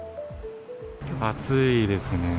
暑いですね。